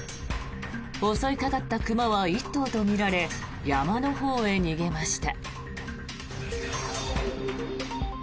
襲いかかった熊は１頭とみられ山のほうへ逃げました。